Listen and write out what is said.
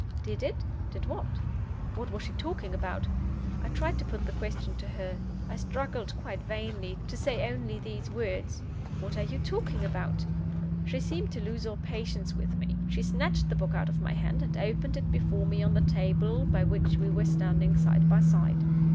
Did it? Did what? What was she talking about? I tried to put the question to her. I struggled quite vainly to say only these words: "What are you talking about?" She seemed to lose all patience with me. She snatched the book out of my hand, and opened it before me on the table by which we were standing side by side.